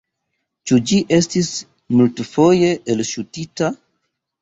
Ĉu ĝi estis multfoje elŝutita?